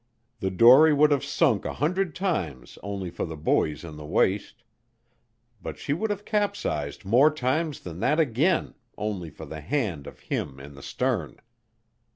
The dory would have sunk a hundred times only for the buoys in the waist; but she would have capsized more times than that again only for the hand of him in the stern.